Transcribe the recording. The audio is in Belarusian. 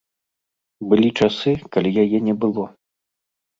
Былі часы, калі яе не было.